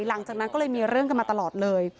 หลังจากนั้นก็เลยมีเรื่องกันมาตลอดเลย